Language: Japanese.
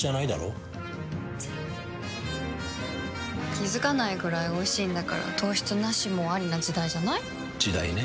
気付かないくらいおいしいんだから糖質ナシもアリな時代じゃない？時代ね。